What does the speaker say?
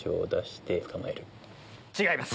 違います。